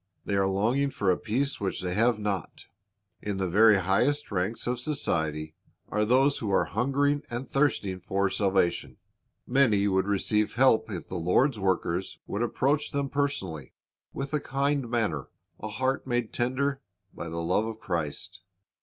They are longing for a peace which they have not. In the very highest ranks of society are those who are hungering and thirsting for '*Go out into the high way^ and Imdgis, and compel thern to come in.'* salvation. Many would receive help if the Lord's workers would approach them personally, with a kind manner, a heart made tender by the love of Christ.